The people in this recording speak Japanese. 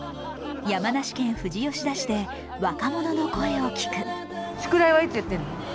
山梨県富士吉田市で若者の声を聴く。